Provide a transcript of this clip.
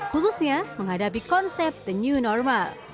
khususnya menghadapi konsep the new normal